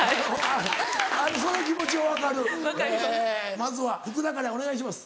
まずは福田からお願いします。